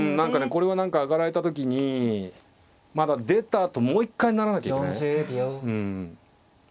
これは何か上がられた時に出たあともう一回成らなきゃいけない。